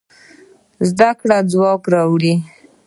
زده کړه ځواک راوړي.